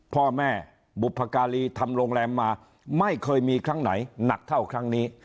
พ่อแม่บุพการีทำโรงแรมมาไม่เคยมีครั้งไหนหนักเท่าครั้งนี้